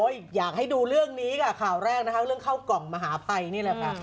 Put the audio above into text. อยากให้ดูเรื่องนี้ค่ะข่าวแรกนะคะเรื่องเข้ากล่องมหาภัยนี่แหละค่ะ